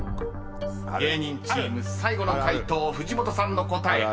［芸人チーム最後の解答藤本さんの答え］